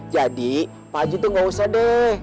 jadi pak haji tuh nggak usah deh